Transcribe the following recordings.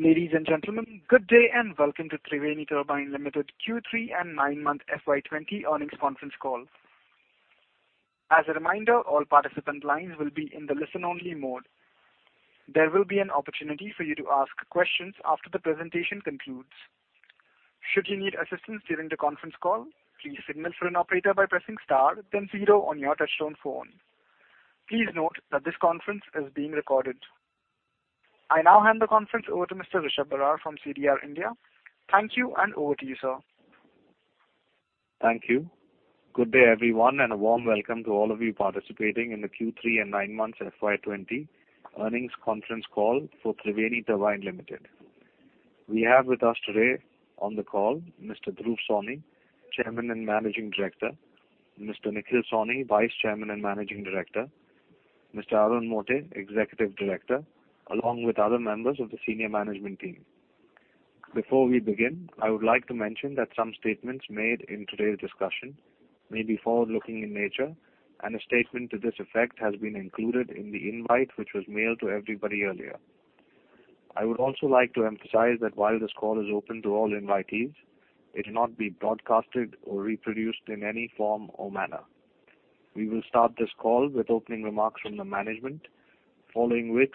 Ladies and gentlemen, good day and welcome to Triveni Turbine Limited Q3 and nine-month FY 2020 earnings conference call. As a reminder, all participant lines will be in the listen-only mode. There will be an opportunity for you to ask questions after the presentation concludes. Should you need assistance during the conference call, please signal for an operator by pressing star, then zero on your touchtone phone. Please note that this conference is being recorded. I now hand the conference over to Mr. Rishab Barar from CDR India. Thank you, and over to you, sir. Thank you. Good day, everyone, and a warm welcome to all of you participating in the Q3 and nine months FY 2020 earnings conference call for Triveni Turbine Limited. We have with us today on the call Mr. Dhruv Sawhney, Chairman and Managing Director, Mr. Nikhil Sawhney, Vice Chairman and Managing Director, Mr. Arun Mote, Executive Director, along with other members of the senior management team. Before we begin, I would like to mention that some statements made in today's discussion may be forward-looking in nature, and a statement to this effect has been included in the invite which was mailed to everybody earlier. I would also like to emphasize that while this call is open to all invitees, it should not be broadcasted or reproduced in any form or manner. We will start this call with opening remarks from the management, following which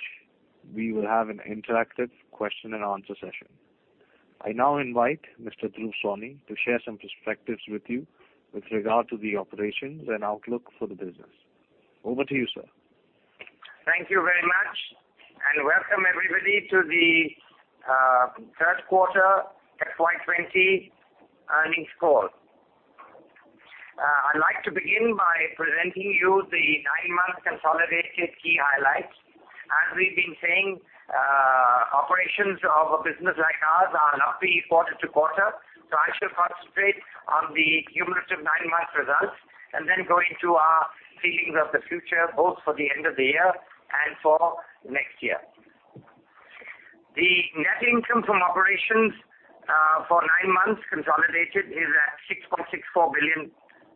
we will have an interactive question and answer session. I now invite Mr. Dhruv Sawhney to share some perspectives with you with regard to the operations and outlook for the business. Over to you, sir. Thank you very much. Welcome everybody to the third quarter FY 2020 earnings call. I'd like to begin by presenting you the nine-month consolidated key highlights. As we've been saying, operations of a business like ours are lumpy quarter to quarter. I shall concentrate on the cumulative nine-month results and then go into our feelings of the future, both for the end of the year and for next year. The net income from operations for nine months consolidated is at 6.64 billion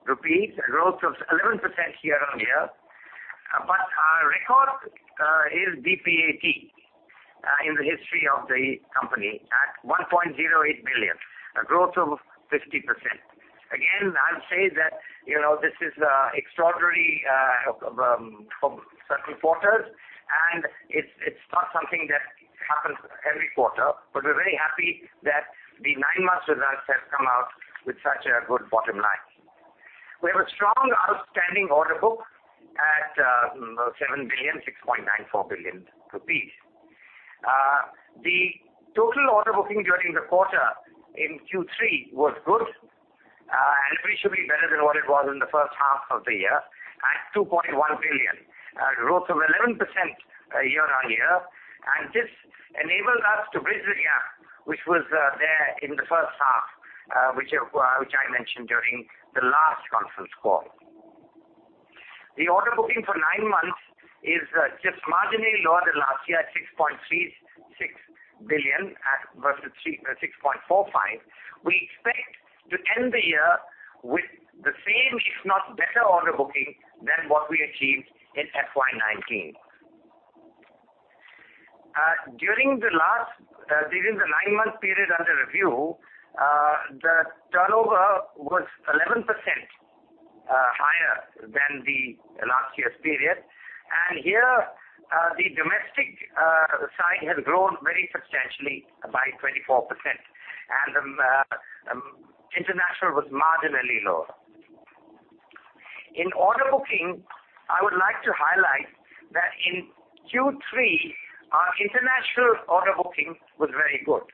rupees, a growth of 11% year-on-year. Our record is PBT in the history of the company at 1.08 billion, a growth of 50%. Again, I'll say that this is extraordinary for certain quarters, and it's not something that happens every quarter. We're very happy that the nine-month results have come out with such a good bottom line. We have a strong outstanding order book at 7 billion, 6.94 billion rupees. The total order booking during the quarter in Q3 was good and pretty should be better than what it was in the first half of the year at 2.1 billion, a growth of 11% year-on-year. This enabled us to bridge the gap, which was there in the first half which I mentioned during the last conference call. The order booking for nine months is just marginally lower than last year at 6.36 billion versus 6.45 billion. We expect to end the year with the same, if not better order booking than what we achieved in FY 2019. During the nine-month period under review, the turnover was 11% higher than the last year's period. Here, the domestic side has grown very substantially by 24%, and the international was marginally lower. In order booking, I would like to highlight that in Q3, our international order booking was very good.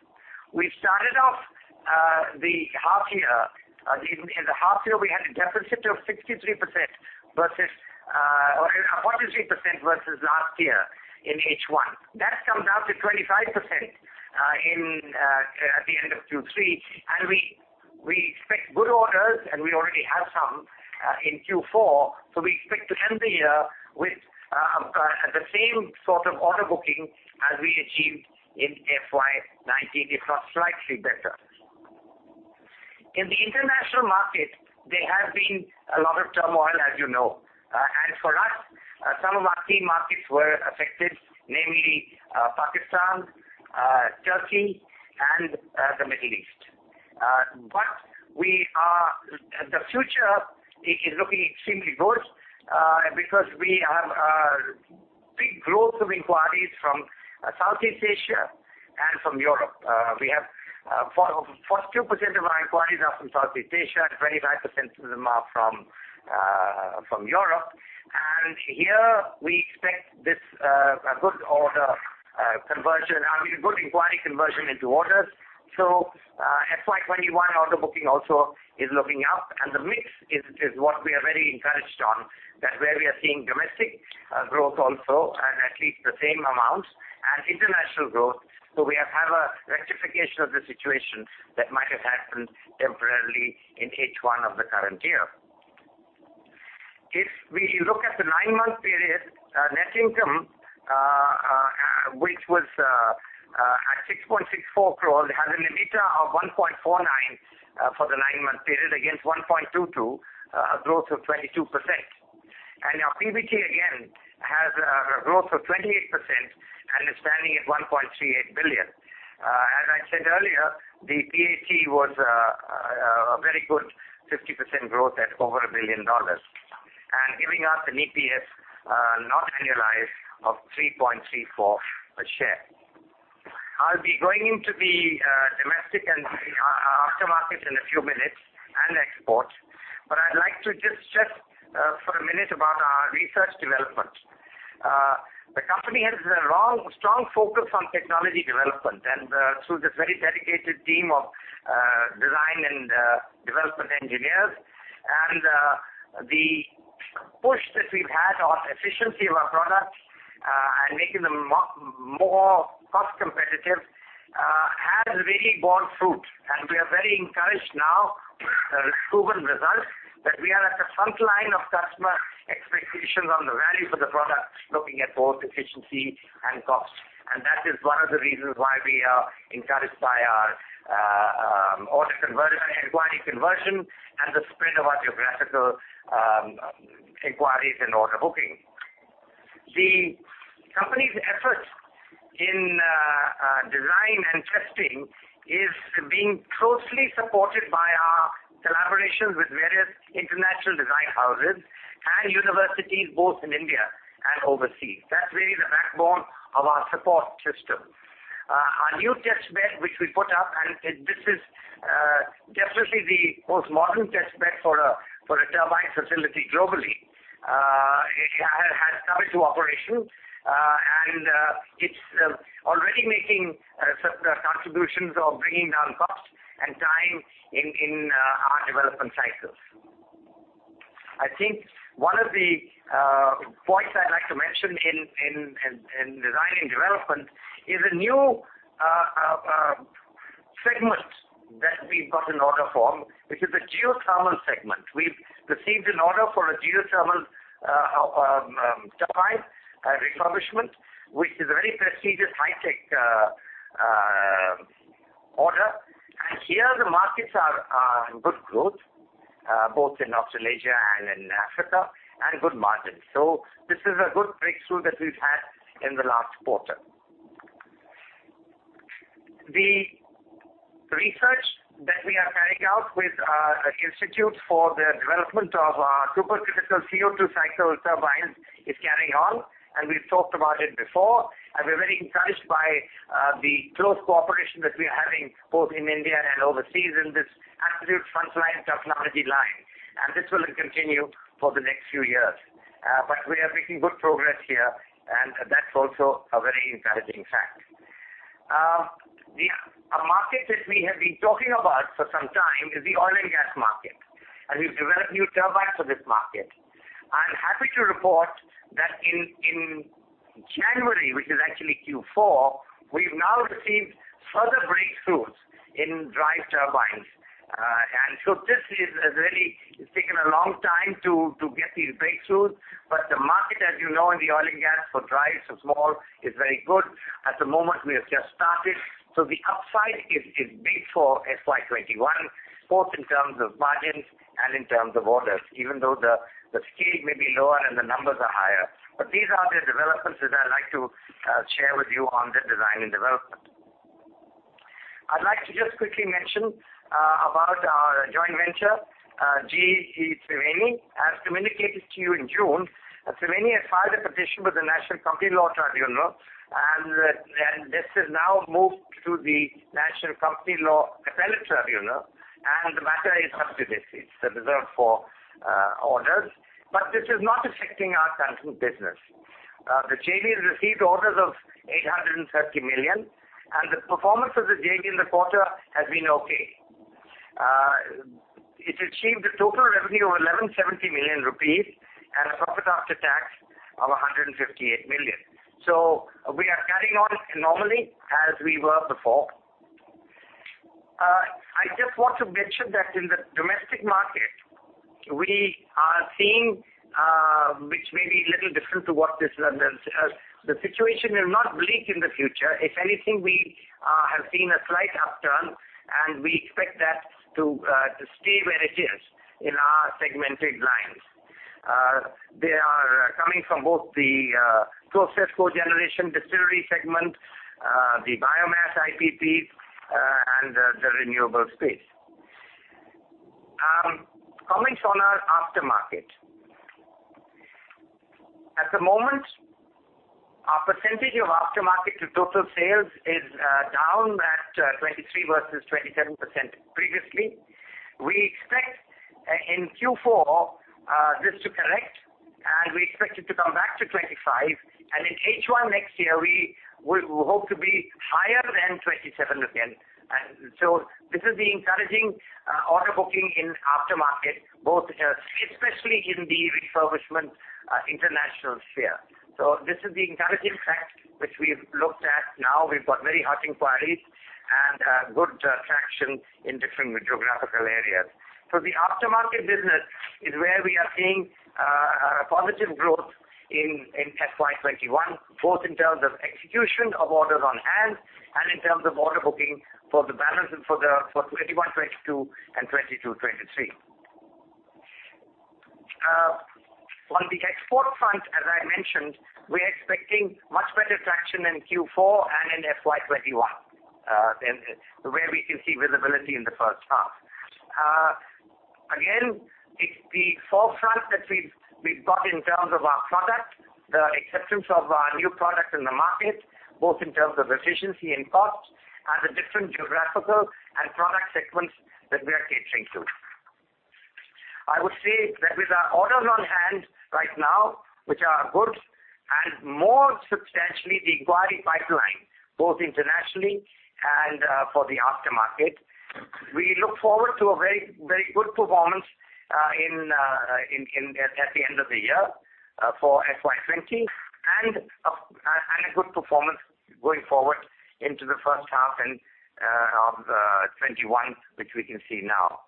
We started off the half year. In the half year, we had a deficit of 43% versus last year in H1. That comes down to 25% at the end of Q3. We expect good orders, and we already have some in Q4. We expect to end the year with the same sort of order booking as we achieved in FY 2019, if not slightly better. In the international market, there has been a lot of turmoil, as you know. For us, some of our key markets were affected, namely Pakistan, Turkey, and the Middle East. The future is looking extremely good because we have a big growth of inquiries from Southeast Asia and from Europe. We have 42% of our inquiries are from Southeast Asia, 25% of them are from Europe. Here, we expect this a good inquiry conversion into orders. FY 2021 order booking also is looking up. The mix is what we are very encouraged on. That where we are seeing domestic growth also. At least the same amount as international growth. We have a rectification of the situation that might have happened temporarily in H1 of the current year. If we look at the nine-month period, net income which was at 6.64 crore, it has an EBITDA of 1.49 for the nine-month period against 1.22, a growth of 22%. Our PBT, again, has a growth of 28% and is standing at 1.38 billion. As I said earlier, the PAT was a very good 50% growth at over INR 1 billion. Giving us an EPS, not annualized, of 3.34 a share. I'll be going into the domestic and the after-market in a few minutes, and export, but I'd like to just stress for a minute about our research development. The company has a strong focus on technology development and through this very dedicated team of design and development engineers. The push that we've had on efficiency of our products, and making them more cost competitive, has really borne fruit. We are very encouraged now with the proven results, that we are at the frontline of customer expectations on the value for the products, looking at both efficiency and cost. That is one of the reasons why we are encouraged by our inquiry conversion and the spread of our geographical inquiries and order booking. The company's efforts in design and testing is being closely supported by our collaborations with various international design houses and universities, both in India and overseas. That's really the backbone of our support system. Our new test bed, which we put up, and this is definitely the most modern test bed for a turbine facility globally. It has come into operation, and it's already making contributions of bringing down costs and time in our development cycles. I think one of the points I'd like to mention in design and development is a new segment that we've got an order for, which is a geothermal segment. We've received an order for a geothermal turbine refurbishment, which is a very prestigious high-tech order. Here, the markets are in good growth, both in Australasia and in Africa, and good margins. This is a good breakthrough that we've had in the last quarter. The research that we are carrying out with our institutes for the development of our supercritical CO2 cycle turbines is carrying on, and we've talked about it before, and we're very encouraged by the close cooperation that we are having both in India and overseas in this absolute frontline technology line. This will continue for the next few years. We are making good progress here, that's also a very encouraging fact. A market that we have been talking about for some time is the oil and gas market, and we've developed new turbines for this market. I'm happy to report that in January, which is actually Q4, we've now received further breakthroughs in drive turbines. This has really taken a long time to get these breakthroughs, but the market, as you know, in the oil and gas for drives of small is very good. At the moment, we have just started. The upside is big for FY 2021, both in terms of margins and in terms of orders, even though the scale may be lower and the numbers are higher. These are the developments that I'd like to share with you on the design and development. I'd like to just quickly mention about our joint venture, GE Triveni. As communicated to you in June, Triveni has filed a petition with the National Company Law Tribunal, and this has now moved to the National Company Law Appellate Tribunal, and the matter is up to this. It's reserved for orders, but this is not affecting our current business. The JV has received orders of 830 million. The performance of the JV in the quarter has been okay. It achieved a total revenue of 1,170 million rupees and a PAT of 158 million. We are carrying on normally as we were before. I just want to mention that in the domestic market, we are seeing, which may be a little different to what this runs as, the situation is not bleak in the future. If anything, we have seen a slight upturn. We expect that to stay where it is in our segmented lines. They are coming from both the process co-generation distillery segment, the biomass IPPs, and the renewable space. Comments on our after-market. At the moment, our percentage of after-market to total sales is down at 23% versus 27% previously. We expect in Q4 this to correct, and we expect it to come back to 25. In H1 next year, we hope to be higher than 27 again. This is the encouraging order booking in aftermarket, especially in the refurbishment international sphere. This is the encouraging fact which we've looked at now. We've got very hot inquiries and good traction in different geographical areas. The aftermarket business is where we are seeing a positive growth in FY 2021, both in terms of execution of orders on hand and in terms of order booking for the balance for 2021/2022 and 2022/2023. On the export front, as I mentioned, we are expecting much better traction in Q4 and in FY 2021, where we can see visibility in the first half. It's the forefront that we've got in terms of our product, the acceptance of our new product in the market, both in terms of efficiency and cost, and the different geographical and product segments that we are catering to. I would say that with our orders on hand right now, which are good, and more substantially, the inquiry pipeline, both internationally and for the aftermarket, we look forward to a very good performance at the end of the year for FY 2020 and a good performance going forward into the first half of 2021, which we can see now.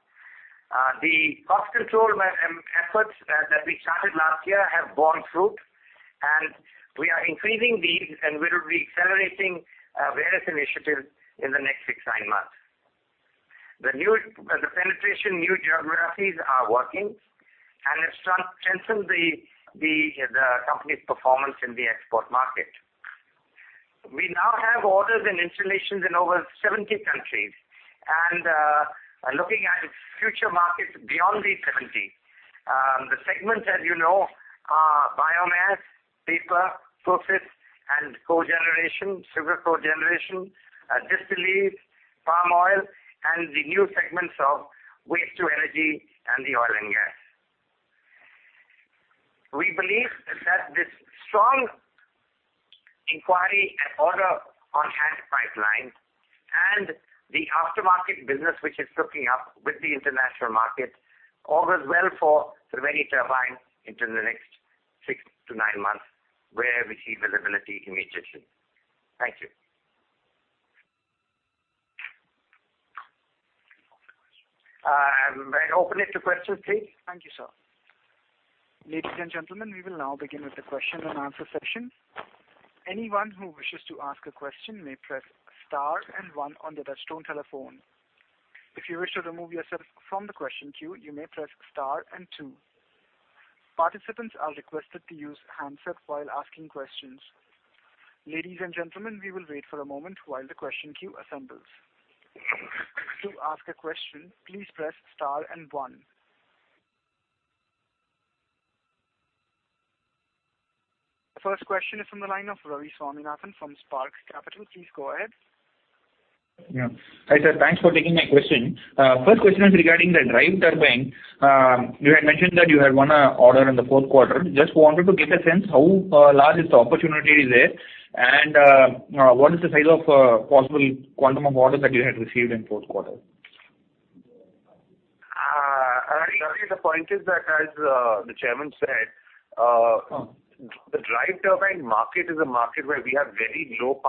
The cost control efforts that we started last year have borne fruit, and we are increasing these, and we will be accelerating various initiatives in the next six, nine months. The penetration new geographies are working and have strengthened the company's performance in the export market. We now have orders and installations in over 70 countries, and are looking at future markets beyond these 70. The segments, as you know, are biomass, paper, process, and cogeneration, sugar cogeneration, distilleries, palm oil, and the new segments of waste to energy and the oil and gas. We believe that this strong inquiry and order on-hand pipeline and the aftermarket business which is looking up with the international market, all bodes well for Triveni Turbine into the next six to nine months where we see visibility immediately. Thank you. Open questions. I open it to questions, please. Thank you, sir. Ladies and gentlemen, we will now begin with the question-and-answer session. Anyone who wishes to ask a question may press star and one on the desktop telephone. If you wish to remove yourself from the question queue, you may press star and two. Participants are requested to use handsets while asking questions. Ladies and gentlemen, we will wait for a moment while the question queue assembles. To ask a question, please press star and one. First question is from the line of Ravi Swaminathan from Spark Capital. Please go ahead. Hi, sir. Thanks for taking my question. First question is regarding the drive turbine. You had mentioned that you had won an order in the fourth quarter. Just wanted to get a sense how large is the opportunity there, and what is the size of possible quantum of orders that you had received in fourth quarter? Ravi, the point is that as the Chairman said, the drive turbine market is a market where we have very low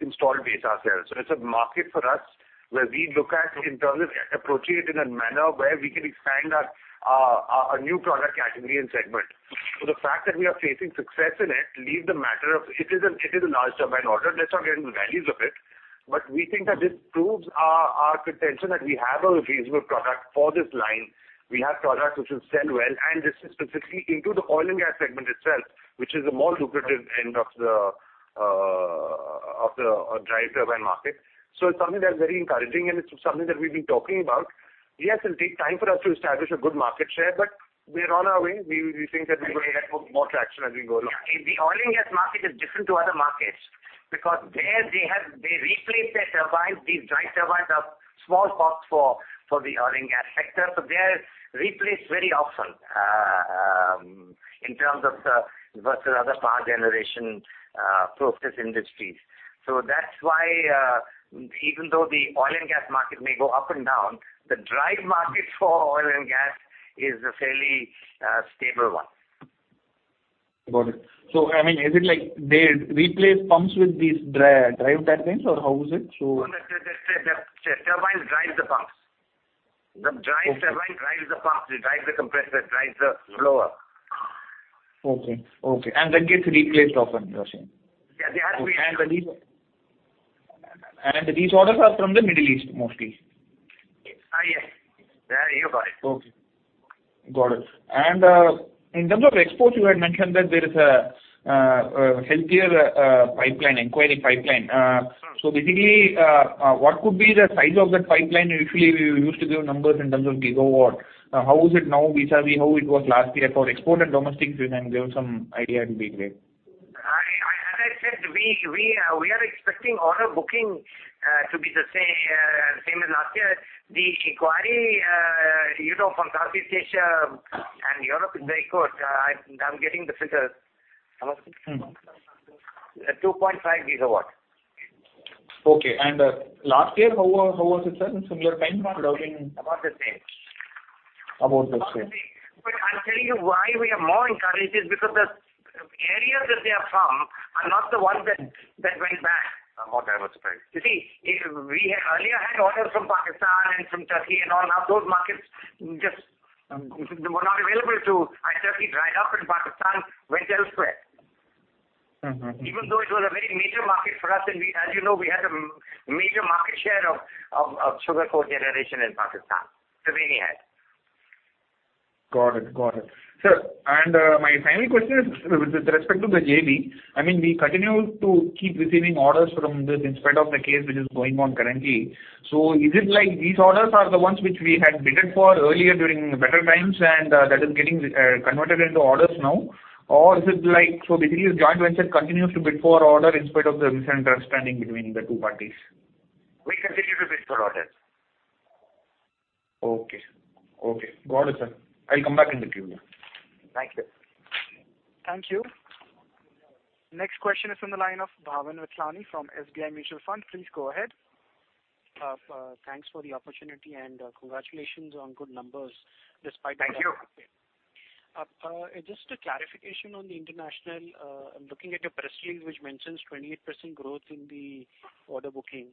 installed base ourselves. It's a market for us where we look at in terms of approaching it in a manner where we can expand our new product category and segment. The fact that we are facing success in it leaves the matter of it is a large turbine order. Let's not get into the values of it. We think that this proves our contention that we have a reasonable product for this line. This is specifically into the oil and gas segment itself, which is a more lucrative end of the drive turbine market. It's something that's very encouraging, and it's something that we've been talking about. Yes, it will take time for us to establish a good market share, but we are on our way. We think that we are going to get more traction as we go along. Yeah. The oil and gas market is different to other markets because there they replace their turbines. These drive turbines are small parts for the oil and gas sector. They are replaced very often in terms of versus other power generation process industries. That's why even though the oil and gas market may go up and down, the drive market for oil and gas is a fairly stable one. Got it. I mean, is it like they replace pumps with these drive turbines, or how is it? The turbine drives the pumps. Okay. The drive turbine drives the pumps. It drives the compressor, drives the blower. Okay. That gets replaced often, you're saying? Yeah. These orders are from the Middle East mostly? Yes. You got it. Okay. Got it. In terms of exports, you had mentioned that there is a healthier pipeline, inquiry pipeline. Sure. Basically, what could be the size of that pipeline? Usually we used to give numbers in terms of gigawatt. How is it now vis-à-vis how it was last year for export and domestic, if you can give some idea, it will be great. As I said, we are expecting order booking to be the same as last year. The inquiry from Southeast Asia and Europe is very good. I'm getting the figures. About 2.5 GW. Okay. Last year, how was it, sir? In similar timeframe, I am doubting. About the same. About the same. I'm telling you why we are more encouraged is because the areas that they are from are not the ones that went back. More diversification. You see, we earlier had orders from Pakistan and from Turkey and all. Those markets just were not available to Turkey dried up and Pakistan went elsewhere. Even though it was a very major market for us, and as you know, we had a major market share of sugar cogeneration in Pakistan. Triveni had. Got it. Sir, my final question is with respect to the JV, we continue to keep receiving orders from this in spite of the case which is going on currently. Is it like these orders are the ones which we had bid for earlier during better times, and that is getting converted into orders now? Is it like, basically the joint venture continues to bid for order in spite of the misunderstanding between the two parties? We continue to bid for orders. Okay. Got it, sir. I'll come back in the queue now. Thank you. Thank you. Next question is from the line of Bhavin Vithlani from SBI Mutual Fund. Please go ahead. Thanks for the opportunity and congratulations on good numbers. Thank you. Just a clarification on the international, I'm looking at your press release, which mentions 28% growth in the order booking,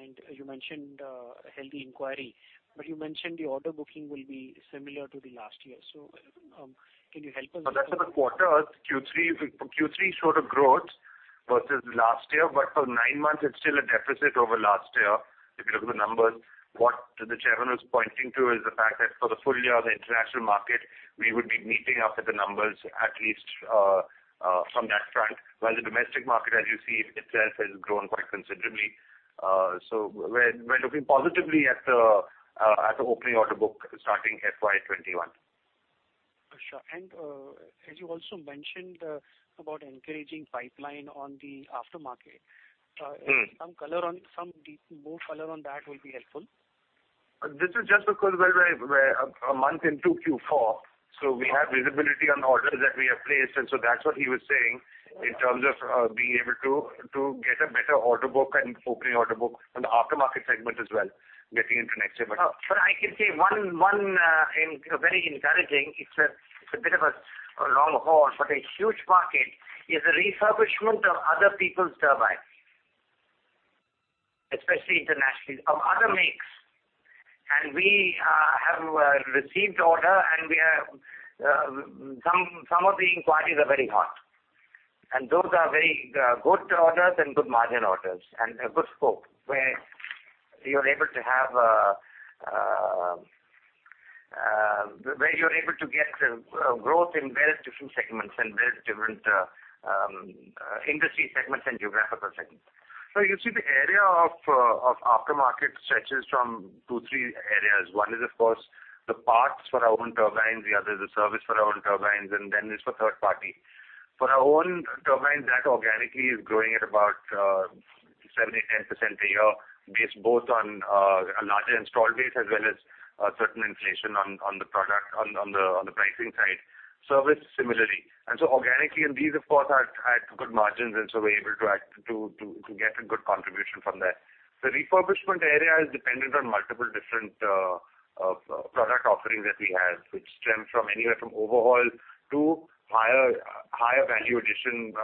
and you mentioned a healthy inquiry. You mentioned the order booking will be similar to the last year. Can you help us with that? For the quarter, Q3 showed a growth versus last year, but for nine months, it's still a deficit over last year, if you look at the numbers. What the Chairman was pointing to is the fact that for the full year, the international market, we would be meeting up with the numbers at least from that front. While the domestic market, as you see itself, has grown quite considerably. We're looking positively at the opening order book starting FY 2021. Sure. As you also mentioned about encouraging pipeline on the aftermarket. Some more color on that will be helpful. This is just because we're a month into Q4, so we have visibility on orders that we have placed. That's what he was saying in terms of being able to get a better order book and opening order book on the aftermarket segment as well, getting into next year. I can say one very encouraging, it's a bit of a long haul, but a huge market is a refurbishment of other people's turbines, especially internationally, of other makes. We have received order, and some of the inquiries are very hot. Those are very good orders and good margin orders and a good scope where you're able to get growth in very different segments and very different industry segments and geographical segments. Sir, you see the area of aftermarket stretches from two, three areas. One is, of course, the parts for our own turbines, the other is the service for our own turbines, and then it's for third party. For our own turbines, that organically is growing at about 7%-10% a year based both on a larger installed base as well as certain inflation on the pricing side. Service similarly. Organically, and these, of course, had good margins, so we're able to get a good contribution from there. The refurbishment area is dependent on multiple different product offerings that we have, which stem from anywhere from overhaul to higher value addition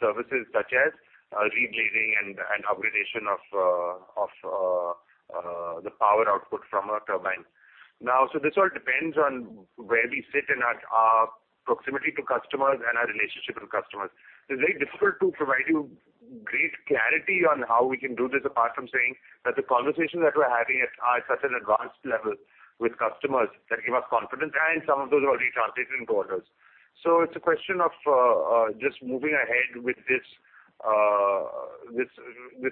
services such as reblading and augmentation of the power output from a turbine. Now, this all depends on where we sit in our proximity to customers and our relationship with customers. It's very difficult to provide you great clarity on how we can do this, apart from saying that the conversations that we're having are at such an advanced level with customers that give us confidence, and some of those already translated into orders. It's a question of just moving ahead with this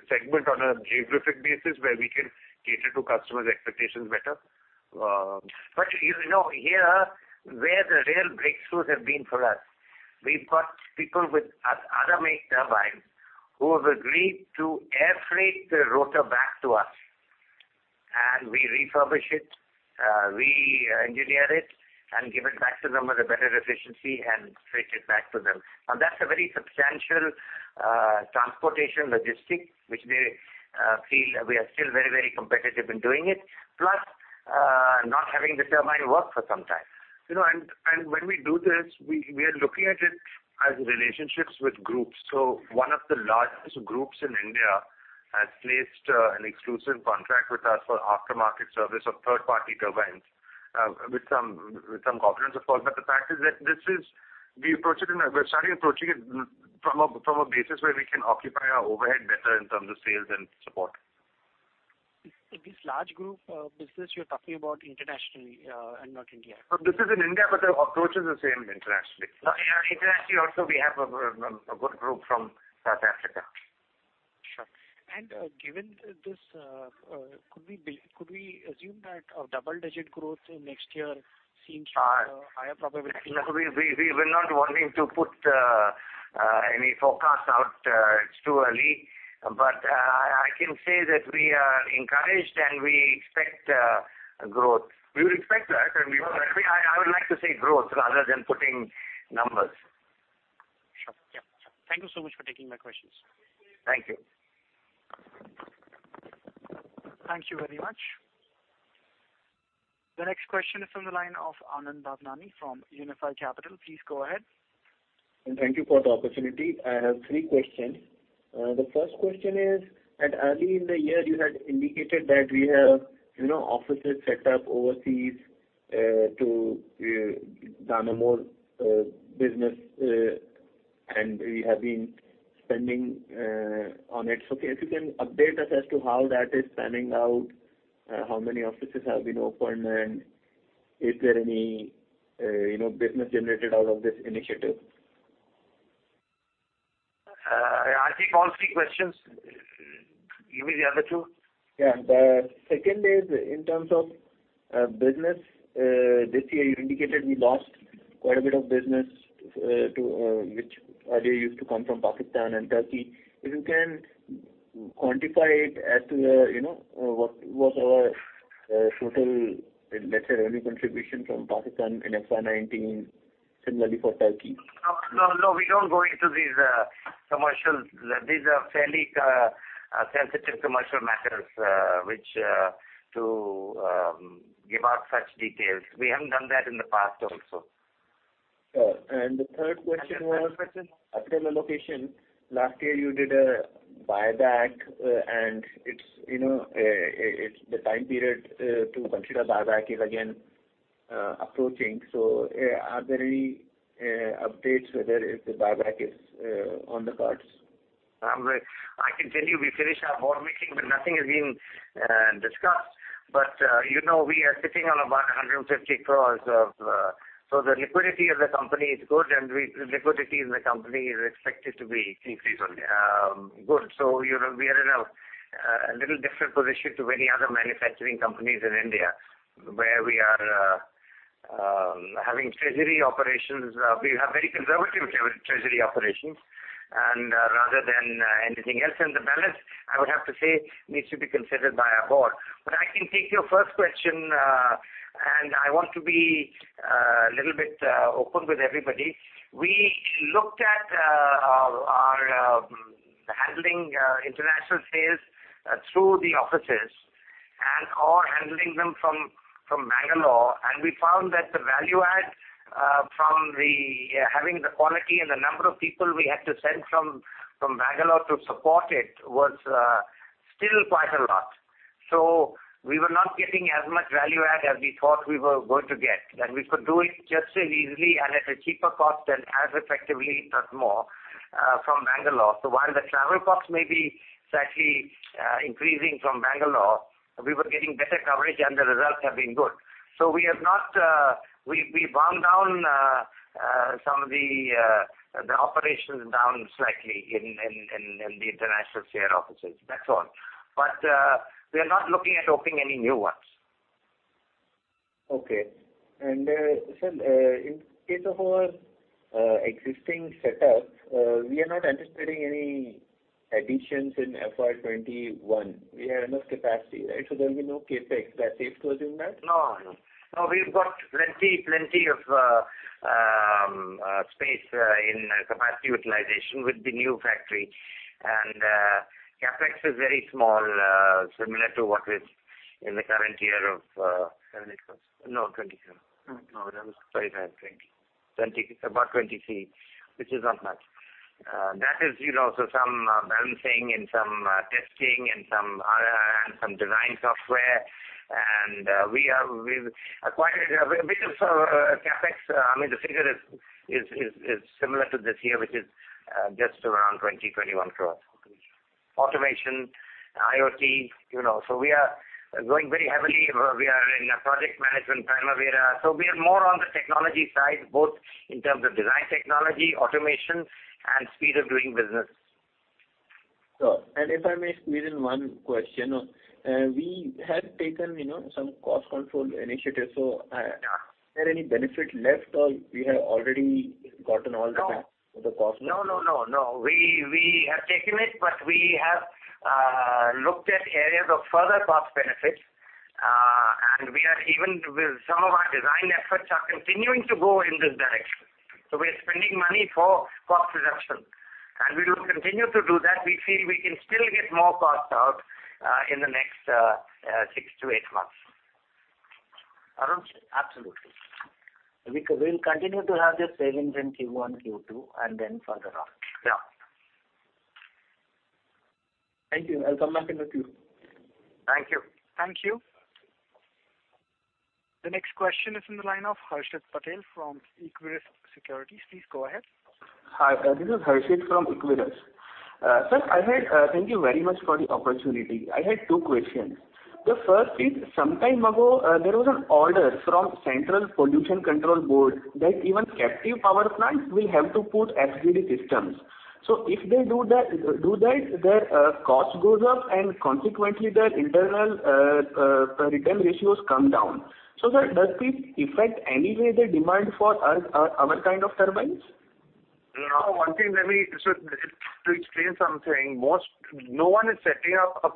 segment on a geographic basis where we can cater to customers' expectations better. Here, where the real breakthroughs have been for us, we've got people with other make turbines who have agreed to air freight the rotor back to us, and we refurbish it, re-engineer it, and give it back to them with a better efficiency and freight it back to them. That's a very substantial transportation logistics, which we feel we are still very competitive in doing it. Plus, not having the turbine work for some time. When we do this, we are looking at it as relationships with groups. One of the largest groups in India has placed an exclusive contract with us for aftermarket service of third-party turbines, with some confidence, of course. The fact is that we're starting approaching it from a basis where we can occupy our overhead better in terms of sales and support. This large group business you're talking about internationally and not India? No, this is in India, but the approach is the same internationally. Internationally also, we have a good group from South Africa. Sure. Given this, could we assume that a double-digit growth in next year seems higher probability? No, we were not wanting to put any forecast out. It's too early. I can say that we are encouraged, and we expect growth. We would expect that. I would like to say growth rather than putting numbers. Sure. Thank you so much for taking my questions. Thank you. Thank you very much. The next question is from the line of Anand Bhavnani from Unifi Capital. Please go ahead. Thank you for the opportunity. I have three questions. The first question is, early in the year, you had indicated that we have offices set up overseas to do more business, and we have been spending on it. If you can update us as to how that is panning out, how many offices have been opened, and is there any business generated out of this initiative? I think all three questions. Give me the other two. Yeah. The second is in terms of business. This year you indicated we lost quite a bit of business, which earlier used to come from Pakistan and Turkey. If you can quantify it as to what our total, let's say, revenue contribution from Pakistan in FY 2019, similarly for Turkey. No, we don't go into these commercials. These are fairly sensitive commercial matters, which to give out such details. We haven't done that in the past also. Sure. The third question was. The third question? Capital allocation. Last year you did a buyback, and the time period, to consider buyback is again approaching. Are there any updates whether if the buyback is on the cards? I can tell you we finished our board meeting, nothing has been discussed. We are sitting on about 150 crores. The liquidity of the company is good, and liquidity in the company is expected to be increasingly good. We are in a little different position to many other manufacturing companies in India, where we are having treasury operations. We have very conservative treasury operations and rather than anything else. The balance, I would have to say, needs to be considered by our board. I can take your first question, and I want to be a little bit open with everybody. We looked at our handling international sales through the offices and/or handling them from Bengaluru. We found that the value add from the having the quality and the number of people we had to send from Bangalore to support it was still quite a lot. We were not getting as much value add as we thought we were going to get. We could do it just as easily and at a cheaper cost and as effectively, if not more, from Bangalore. While the travel costs may be slightly increasing from Bangalore, we were getting better coverage, and the results have been good. We wound down some of the operations down slightly in the international sale offices. That's all. We are not looking at opening any new ones. Okay, sir, in case of our existing setup, we are not anticipating any additions in FY 2021. We have enough capacity, right? There will be no CapEx. Is that safe to assume that? No. We've got plenty of space in capacity utilization with the new factory. CapEx is very small, similar to what is in the current year. 25 about 23, which is not much. That is also some balancing and some testing and some design software. We've acquired a bit of CapEx. I mean, the figure is similar to this year, which is just around 20 crore, 21 crore. Automation, IoT. We are going very heavily. We are in a project management, Primavera. We are more on the technology side, both in terms of design technology, automation, and speed of doing business. Sure. If I may squeeze in one question. We had taken some cost control initiatives. Are there any benefit left, or we have already gotten? No the cost? No. We have taken it, but we have looked at areas of further cost benefits. Some of our design efforts are continuing to go in this direction. We are spending money for cost reduction, and we will continue to do that. We feel we can still get more cost out in the next six to eight months. Arun? Absolutely. We'll continue to have this savings in Q1, Q2, and then further on. Yeah. Thank you. I'll come back in the queue. Thank you. Thank you. The next question is in the line of Harshit Patel from Equirus Securities. Please go ahead. Hi, this is Harshit from Equirus. Thank you very much for the opportunity. I had two questions. The first is, some time ago, there was an order from Central Pollution Control Board that even captive power plants will have to put FGD systems. If they do that, their cost goes up, and consequently, their internal return ratios come down. Sir, does this affect any way the demand for our kind of turbines? No. One thing, maybe to explain something. No one is setting up a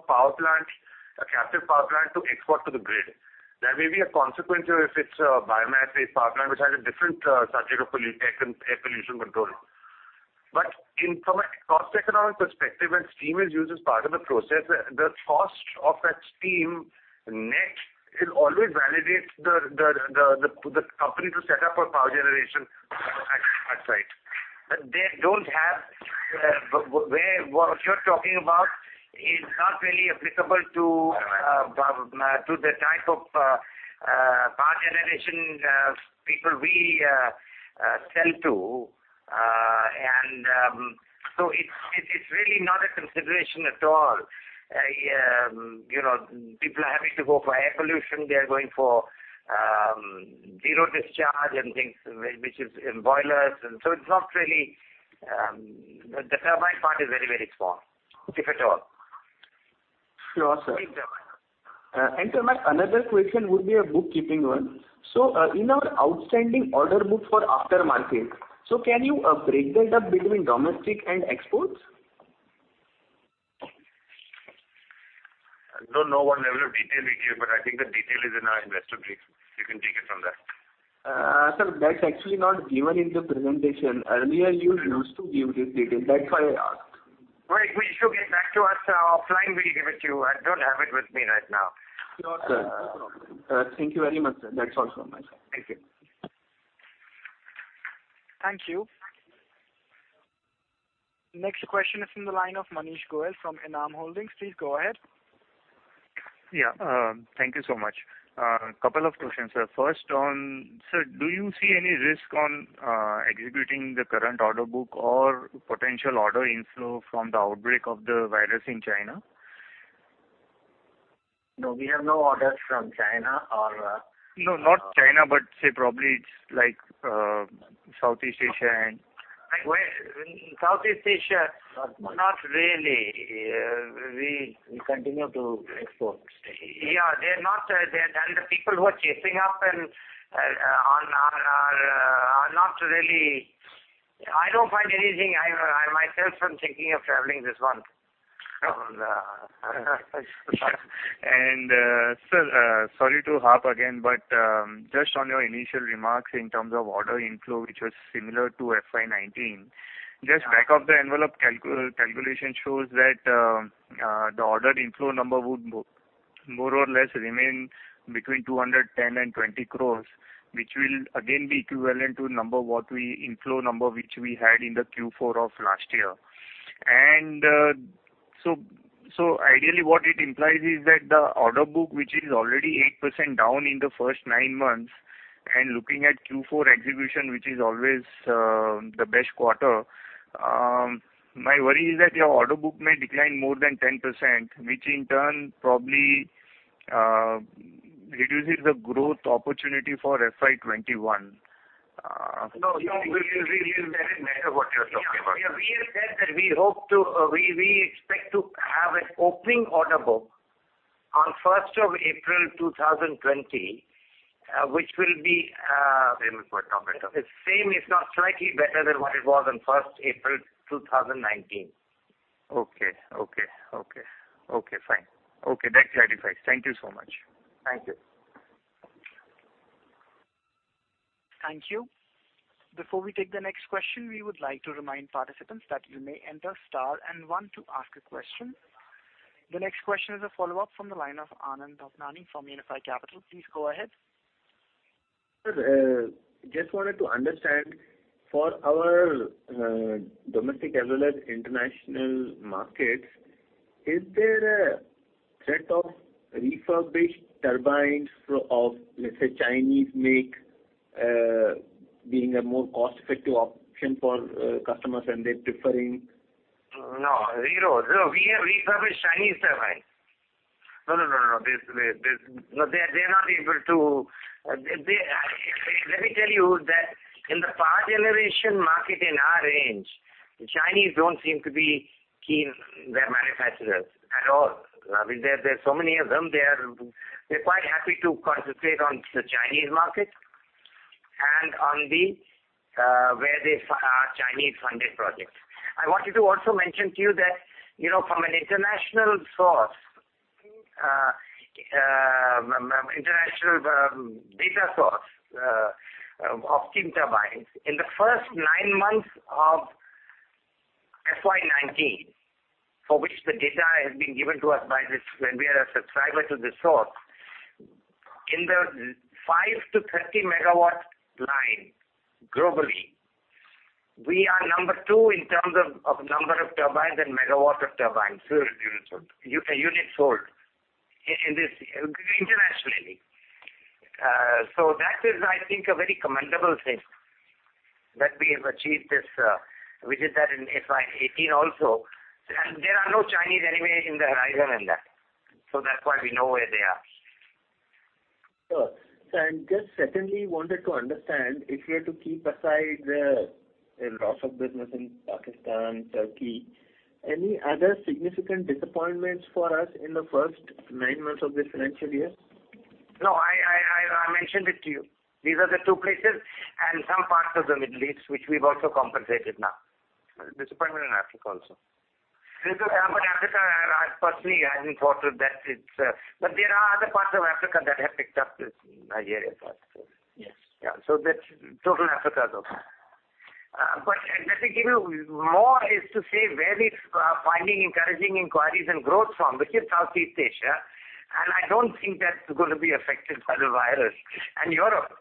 captive power plant to export to the grid. There may be a consequence if it's a biomass-based power plant, which has a different subject of air pollution control. But from a cost-economic perspective, when steam is used as part of the process, the cost of that steam net will always validate the company to set up a power generation at site. But what you're talking about is not really applicable to the type of power generation people we sell to. It's really not a consideration at all. People are having to go for air pollution, they're going for zero discharge and things, which is in boilers. It's not really. The turbine part is very small, if at all. Sure, sir. In turbine. Thank you, another question would be a bookkeeping one. In our outstanding order book for after market, can you break that up between domestic and exports? I don't know what level of detail we gave, but I think the detail is in our investor brief. You can take it from that. Sir, that's actually not given in the presentation. Earlier you used to give this detail, that's why I asked. Right. You should get back to us offline. We'll give it to you. I don't have it with me right now. Sure, sir. No problem. Thank you very much, sir. That's all from my side. Thank you. Thank you. Next question is from the line of Manish Goyal from Enam Holdings. Please go ahead. Yeah. Thank you so much. A couple of questions, sir. First, sir, do you see any risk on executing the current order book or potential order inflow from the outbreak of the virus in China? No, we have no orders from China. No, not China, but say probably it's like Southeast Asia and. Like in Southeast Asia. Not much. Not really. We continue to export. Yeah. The people who are chasing up are not really I don't find anything either. I myself am thinking of traveling this month. Sir, sorry to harp again, but just on your initial remarks in terms of order inflow, which was similar to FY 2019. Just back of the envelope calculation shows that the order inflow number would more or less remain between 210 crore and 20 crore, which will again be equivalent to inflow number which we had in the Q4 of last year. Ideally, what it implies is that the order book, which is already 8% down in the first nine months, and looking at Q4 execution, which is always the best quarter, my worry is that your order book may decline more than 10%, which in turn probably reduces the growth opportunity for FY 2021. No, we very much know what you're talking about. Yeah. We have said that we expect to have an opening order book on 1st of April 2020, which will be. Same or somewhat better. same, if not slightly better than what it was on 1st April 2019. Okay. Fine. Okay, that clarifies. Thank you so much. Thank you. Thank you. Before we take the next question, we would like to remind participants that you may enter star and one to ask a question. The next question is a follow-up from the line of Anand Bhavnani from Unifi Capital. Please go ahead. Sir, just wanted to understand, for our domestic as well as international markets, is there a set of refurbished turbines of, let's say, Chinese make, being a more cost-effective option for customers and they're preferring? No. Zero. No, we have refurbished Chinese turbines. No. They're not able to Let me tell you that in the power generation market in our range, Chinese don't seem to be keen, their manufacturers, at all. There's so many of them. They're quite happy to concentrate on the Chinese market and on where there are Chinese-funded projects. I wanted to also mention to you that, from an international data source of steam turbines, in the first nine months of FY 2019, for which the data has been given to us by this, when we are a subscriber to this source, in the 5 MW to 30 MW line globally, we are number two in terms of number of turbines and megawatt of turbines, units sold, internationally. That is, I think, a very commendable thing that we have achieved this. We did that in FY 2018 also. There are no Chinese anyway in the horizon in that. That's why we know where they are. Sir, just secondly, wanted to understand, if we are to keep aside the loss of business in Pakistan, Turkey, any other significant disappointments for us in the first nine months of this financial year? No, I mentioned it to you. These are the two places and some parts of the Middle East, which we've also compensated now. Disappointment in Africa also? Africa, I personally haven't thought of that. There are other parts of Africa that have picked up, Nigeria for instance. Yes. Yeah. That's total Africa though. Let me give you more, is to say where we're finding encouraging inquiries and growth from, which is Southeast Asia, and I don't think that's going to be affected by the virus. Europe.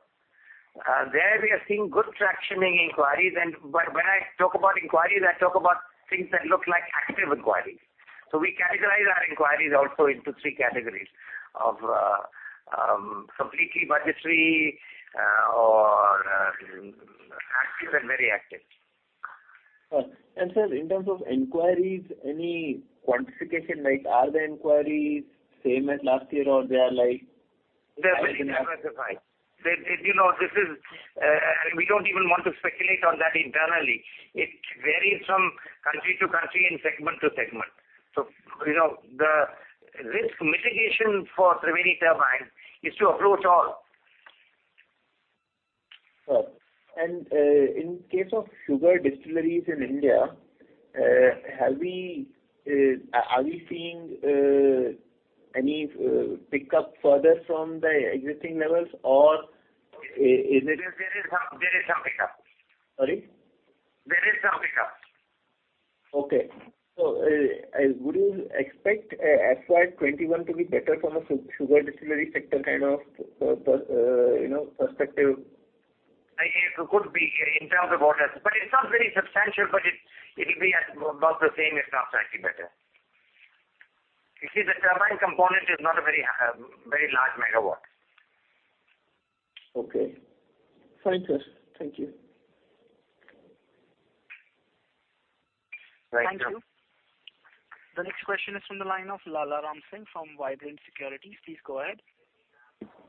There, we are seeing good traction in inquiries. When I talk about inquiries, I talk about things that look like active inquiries. We categorize our inquiries also into three categories, of completely budgetary, or active and very active. Sir, in terms of inquiries, any quantification? Are the inquiries same as last year? They're very difficult to define. We don't even want to speculate on that internally. It varies from country to country and segment to segment. The risk mitigation for Triveni Turbine is to approach all. In case of sugar distilleries in India, are we seeing any pickup further from the existing levels? There is some pickup. Sorry? There is some pickup. Okay. Would you expect FY 2021 to be better from a sugar distillery sector kind of perspective? It could be in terms of orders. It's not very substantial, but it'll be about the same as last or actually better. You see, the turbine component is not a very large megawatt. Okay. Fine, sir. Thank you. Thank you. Thank you. The next question is from the line of Lalaram Singh from Vibrant Securities. Please go ahead.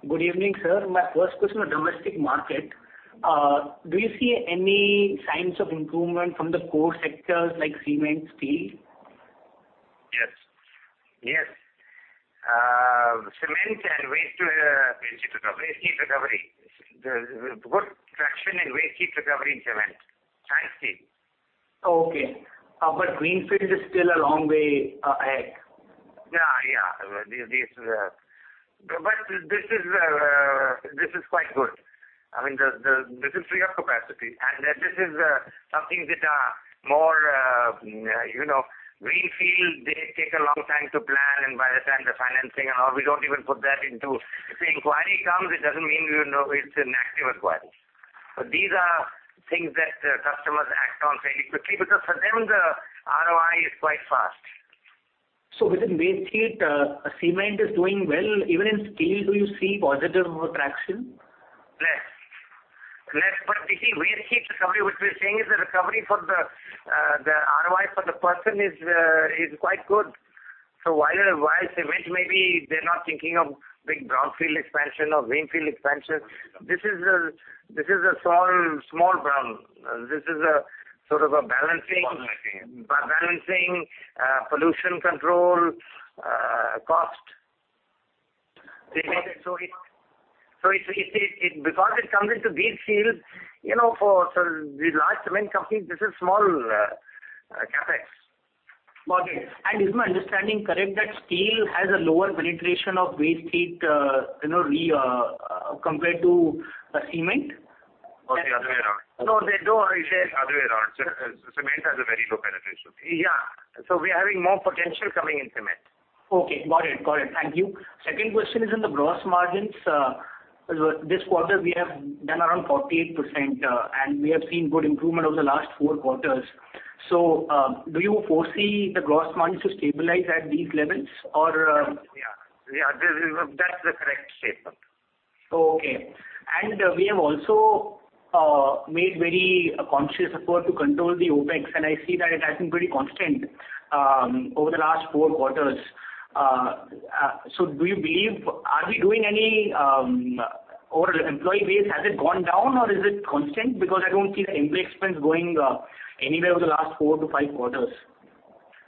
Good evening, sir. My first question on domestic market. Do you see any signs of improvement from the core sectors like cement, steel? Yes. Cement and waste heat recovery. There's good traction in waste heat recovery in cement and steel. Okay. Greenfield is still a long way ahead. Yeah. This is quite good. This is free of capacity, and this is something that are more Greenfield, they take a long time to plan, and by the time the financing and all, we don't even put that into If the inquiry comes, it doesn't mean we know it's an active inquiry. These are things that customers act on very quickly because for them, the ROI is quite fast. Within waste heat, cement is doing well. Even in steel, do you see positive traction? Less. You see, waste heat recovery, which we're saying is the recovery for the ROI for the person is quite good. While cement maybe they're not thinking of big brownfield expansion or greenfield expansion, this is a small brown. This is a sort of a balancing. Balancing balancing pollution control, cost. Because it comes into these fields, for the large cement companies, this is small CapEx. Got it. Is my understanding correct that steel has a lower penetration of waste heat compared to cement? No, the other way around. No, they don't. Other way around. Cement has a very low penetration. Yeah. We are having more potential coming in cement. Okay. Got it. Thank you. Second question is on the gross margins. This quarter, we have done around 48%, and we have seen good improvement over the last four quarters. Do you foresee the gross margins to stabilize at these levels. Yeah. That's the correct statement. Okay. We have also made very conscious effort to control the OpEx, and I see that it has been pretty constant over the last four quarters. Are we doing any, or employee base, has it gone down or is it constant? I don't see the employee expense going anywhere over the last four to five quarters.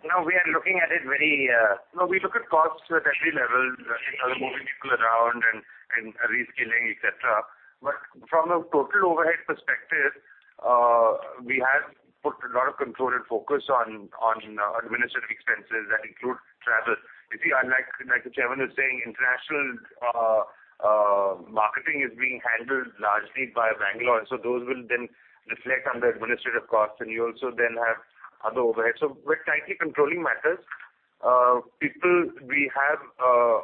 We look at costs at every level, moving people around and reskilling, et cetera. From a total overhead perspective, we have put a lot of control and focus on administrative expenses. That includes travel. You see, like the chairman was saying, international marketing is being handled largely by Bengaluru. Those will then reflect on the administrative costs, and you also then have other overhead. We're tightly controlling matters. People, we have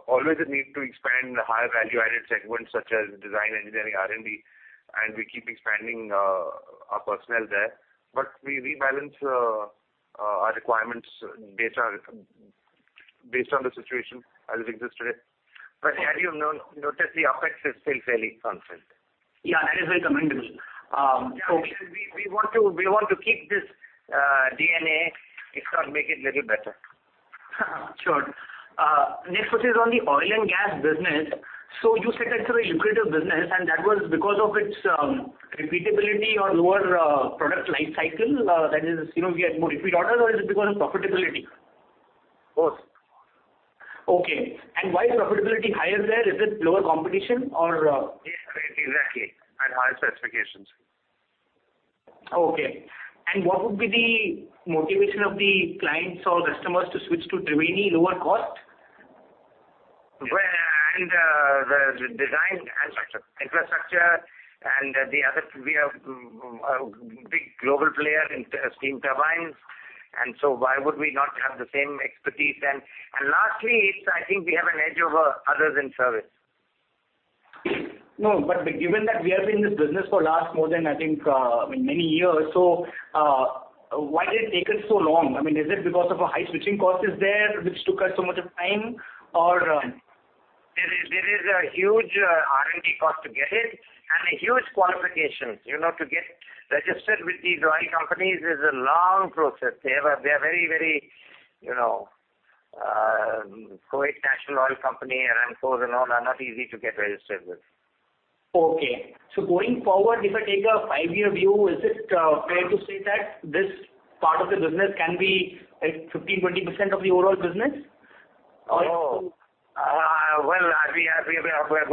always a need to expand higher value-added segments such as design, engineering, R&D, and we keep expanding our personnel there. We rebalance our requirements based on the situation as it exists today. As you notice, the OpEx is still fairly constant. Yeah, that is very commendable. Yeah. We want to keep this DNA, if not make it little better. Sure. Next question is on the oil and gas business. You said that is a very lucrative business, and that was because of its repeatability or lower product life cycle, that is, we get more repeat orders or is it because of profitability? Both. Okay. Why is profitability higher there? Is it lower competition? Yes, exactly, and higher specifications. Okay. What would be the motivation of the clients or customers to switch to Triveni? Lower cost? Well, and the design infrastructure, and we are a big global player in steam turbines, and so why would we not have the same expertise? Lastly, I think we have an edge over others in service. Given that we have been in this business for many years, why has it taken so long? Is it because of high switching costs there, which took us so much time or? There is a huge R&D cost to get in and a huge qualification. To get registered with these oil companies is a long process. Kuwait National Petroleum Company and so on are not easy to get registered with. Okay. Going forward, if I take a five-year view, is it fair to say that this part of the business can be 15%-20% of the overall business? Well, we're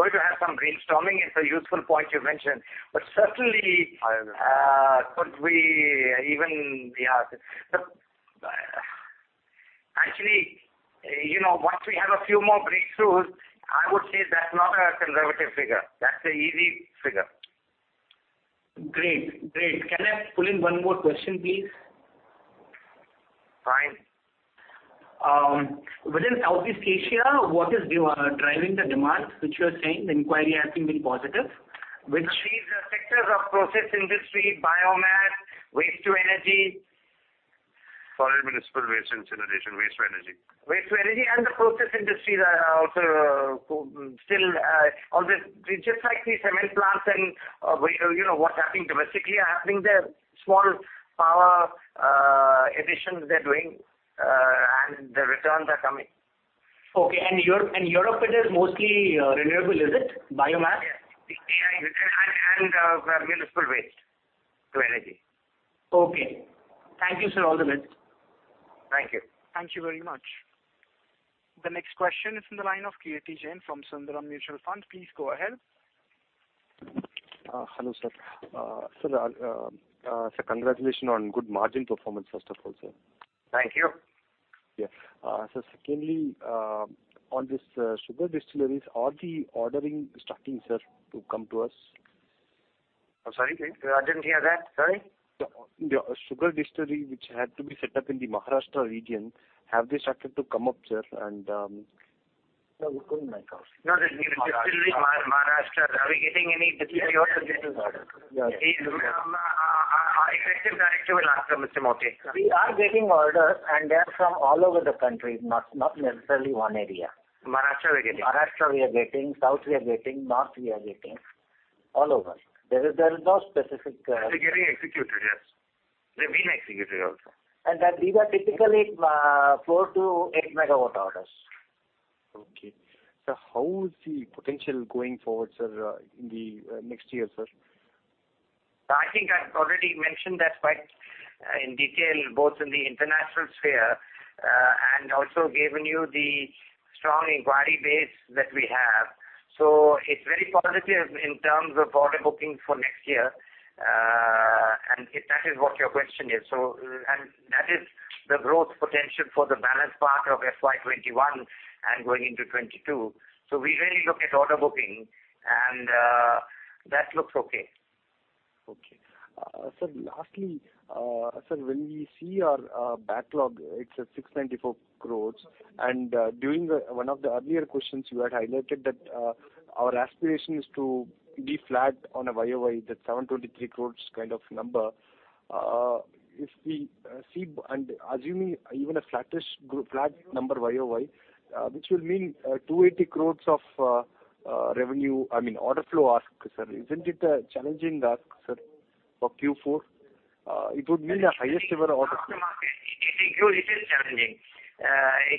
going to have some brainstorming. It's a useful point you mentioned. Certainly, could we even Actually, once we have a few more breakthroughs, I would say that's not a conservative figure. That's a easy figure. Great. Can I pull in one more question, please? Fine. Within Southeast Asia, what is driving the demand, which you are saying the inquiry has been very positive? Which sees the sectors of process industry, biomass, waste to energy. Solid municipal waste incineration, waste to energy. Waste to energy and the process industries are also still just like the cement plants and what's happening domestically are happening there. Small power additions they're doing, and the returns are coming. Okay. Europe, it is mostly renewable, is it? Biomass? Yes. Municipal waste to energy. Okay. Thank you, sir, for all the inputs. Thank you. Thank you very much. The next question is from the line of Kirthi Jain from Sundaram Mutual Fund. Please go ahead. Hello, sir. Sir, congratulations on good margin performance, first of all, sir. Thank you. Yeah. Sir, secondly, on these sugar distilleries, are the ordering starting, sir, to come to us? I'm sorry, Kirthi. I didn't hear that. Sorry. The sugar distillery which had to be set up in the Maharashtra region, have they started to come up, sir? No, the distillery, Maharashtra, are we getting any distillery orders? Yes. Our Executive Director will answer, Mr. Mote. We are getting orders, and they're from all over the country, not necessarily one area. Maharashtra, we are getting. Maharashtra, we are getting. South, we are getting. North, we are getting. All over. There is no specific- Are they getting executed, yes? They've been executed also. These are typically 4 MW-8 MW orders. Okay. Sir, how is the potential going forward, sir, in the next year? I think I've already mentioned that quite in detail, both in the international sphere, and also given you the strong inquiry base that we have. It's very positive in terms of order booking for next year, and if that is what your question is. That is the growth potential for the balance part of FY 2021 and going into 2022. We really look at order booking, and that looks okay. Sir, lastly, when we see your backlog, it is at 694 crore. During one of the earlier questions, you had highlighted that our aspiration is to be flat on a YoY, that 723 crore kind of number. Assuming even a flattest flat number YoY, which will mean 280 crore of revenue, I mean, order flow ask, sir. Isn't it a challenging ask, sir, for Q4? It would mean the highest ever order-. It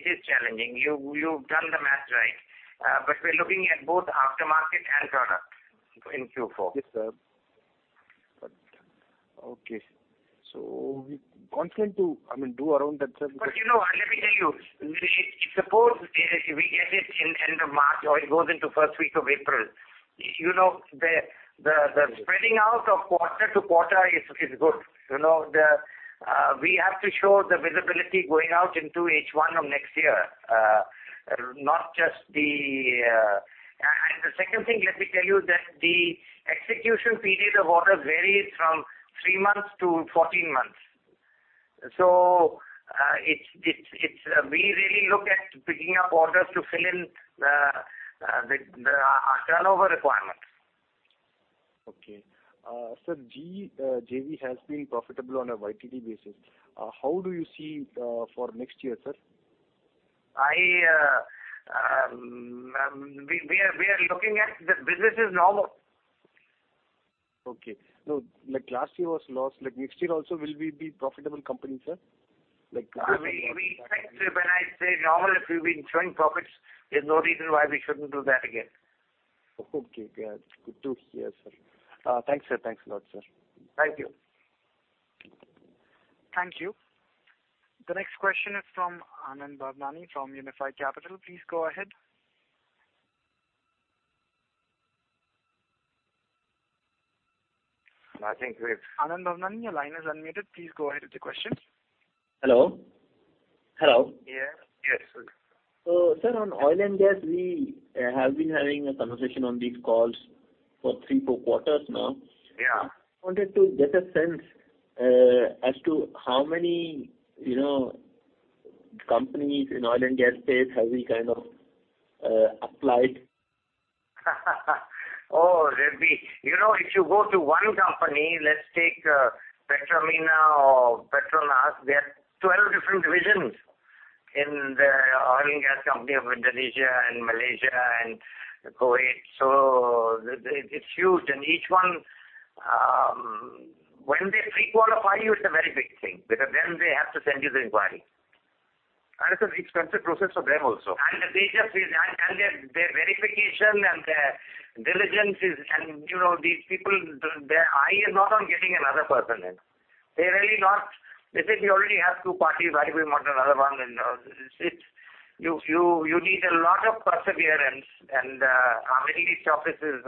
is challenging. You've done the math right. We're looking at both aftermarket and product in Q4. Yes, sir. Okay. We're confident to do around that, sir. Let me tell you. Suppose we get it in end of March or it goes into first week of April. The spreading out of quarter to quarter is good. We have to show the visibility going out into H1 of next year. The second thing, let me tell you that the execution period of orders varies from three months to 14 months. We really look at picking up orders to fill in our turnover requirement. Okay. Sir, JV has been profitable on a YTD basis. How do you see for next year, sir? We are looking at the business as normal. Okay. No, like last year was loss. Next year also will we be profitable company, sir? When I say normal, if we've been showing profits, there's no reason why we shouldn't do that again. Okay. Good to hear, sir. Thanks a lot, sir. Thank you. Thank you. The next question is from Anand Bhavnani from Unifi Capital. Please go ahead. I think we've- Anand Bhavnani, your line is unmuted. Please go ahead with the question. Hello? Hello. Yeah. Yes. Sir, on oil and gas, we have been having a conversation on these calls for three, four quarters now. Yeah. Wanted to get a sense as to how many companies in oil and gas space have we applied? If you go to one company, let's take Pertamina or Petronas, they have 12 different divisions in the oil and gas company of Indonesia and Malaysia and Kuwait. It's huge. Each one, when they pre-qualify you, it's a very big thing because then they have to send you the inquiry. It's an expensive process for them also. Their verification and their diligence. These people, they are not on getting another person in. They say, "We already have two parties. Why do we want another one?" You need a lot of perseverance and our Middle East office is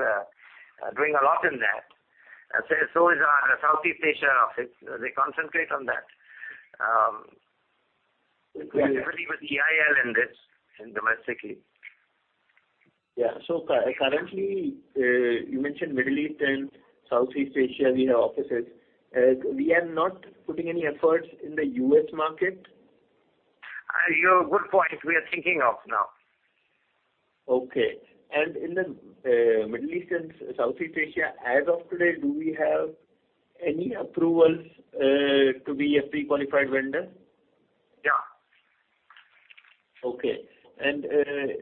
doing a lot in that. So is our Southeast Asia office. They concentrate on that. Yeah. We are heavily with EIL in this, and domestically. Yeah. Currently, you mentioned Middle East and Southeast Asia, you have offices. We are not putting any efforts in the U.S. market? You have a good point. We are thinking of now. Okay. In the Middle East and Southeast Asia, as of today, do we have any approvals to be a pre-qualified vendor? Yeah. Okay.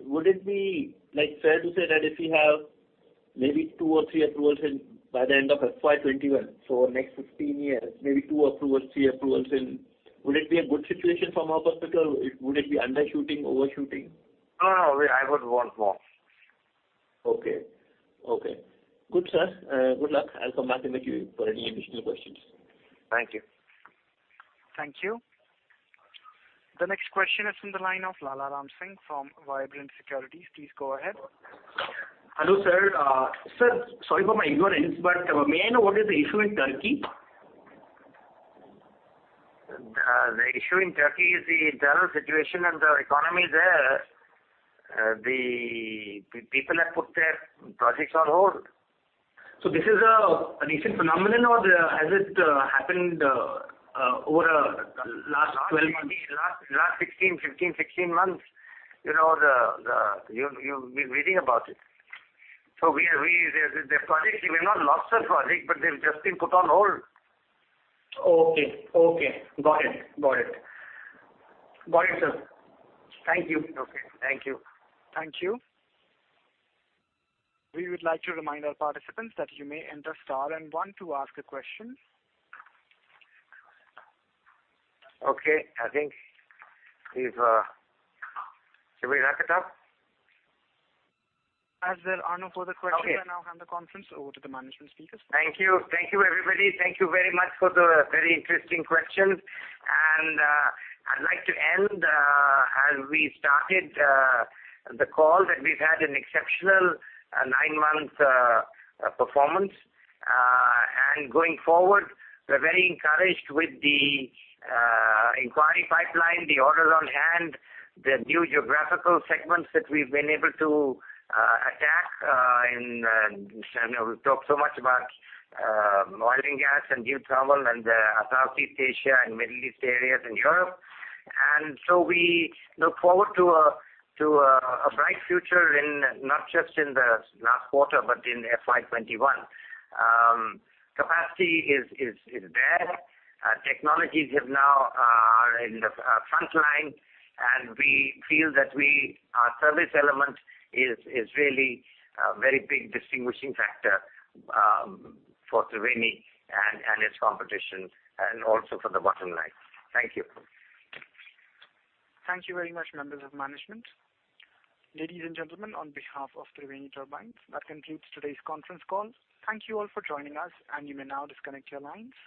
Would it be fair to say that if we have maybe two or three approvals by the end of FY 2021, so next 15 years, maybe two approvals, three approvals in, would it be a good situation from our perspective? Would it be undershooting, overshooting? No, I would want more. Okay. Good, sir. Good luck. I'll come back in the queue for any additional questions. Thank you. Thank you. The next question is from the line of Lalaram Singh from Vibrant Securities. Please go ahead. Hello, sir. Sir, sorry for my ignorance, may I know what is the issue in Turkey? The issue in Turkey is the internal situation and the economy there. The people have put their projects on hold. This is a recent phenomenon, or has it happened over the last 12 months? In the last 15, 16 months, you've been reading about it. The projects, they may not have lost their project, but they've just been put on hold. Okay. Got it. Got it, sir. Thank you. Okay. Thank you. Thank you. We would like to remind our participants that you may enter star and one to ask a question. Okay, I think, should we wrap it up? There are no further questions. Okay I now hand the conference over to the management speakers. Thank you. Thank you, everybody. Thank you very much for the very interesting questions. I'd like to end as we started the call, that we've had an exceptional nine-month performance. Going forward, we're very encouraged with the inquiry pipeline, the orders on hand, the new geographical segments that we've been able to attack in, we've talked so much about oil and gas and geothermal and Southeast Asia and Middle East areas and Europe. We look forward to a bright future not just in the last quarter, but in FY 2021. Capacity is there. Technologies are now in the front line, and we feel that our service element is really a very big distinguishing factor for Triveni and its competition, and also for the bottom line. Thank you. Thank you very much, members of management. Ladies and gentlemen, on behalf of Triveni Turbines, that concludes today's conference call. Thank you all for joining us and you may now disconnect your lines.